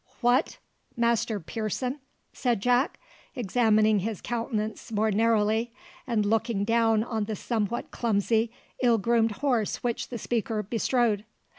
"What! Master Pearson?" said Jack, examining his countenance more narrowly, and looking down on the somewhat clumsy, ill groomed horse which the speaker bestrode.